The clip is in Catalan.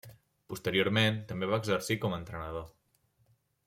Posteriorment, també va exercir com a entrenador.